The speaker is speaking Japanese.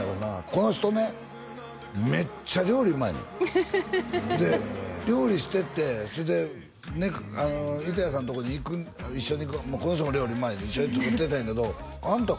この人ねめっちゃ料理うまいのよで料理しててそれでね板谷さんのとこに一緒に行くこの人も料理うまいんで一緒に作ってたんやけどあんた